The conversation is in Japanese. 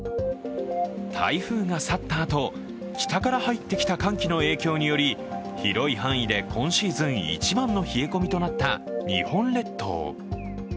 台風が去ったあと、北から入ってきた寒気の影響により広い範囲で今シーズン一番の冷え込みとなった日本列島。